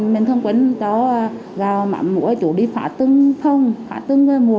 nên thân quyến cho giao mạng mũi chủ đi phá từng phòng phá từng người một